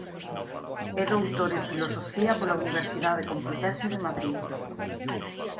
É doutor en Filosofía pola Universidade Complutense de Madrid.